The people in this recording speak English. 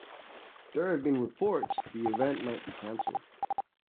There have been reports the event might be canceled.